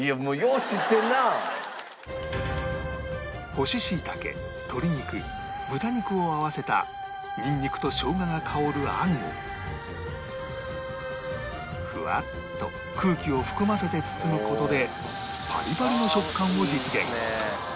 干し椎茸鶏肉豚肉を合わせたにんにくと生姜が香る餡をフワッと空気を含ませて包む事でパリパリの食感を実現